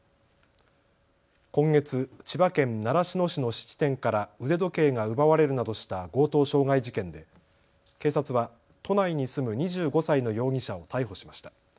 今月、千葉県習志野市の質店から腕時計が奪われるなどした強盗傷害事件で警察は都内に住む２５歳の容疑者を逮捕しました。